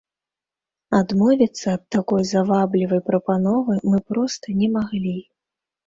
Адмовіцца ад такой заваблівай прапановы мы проста не маглі.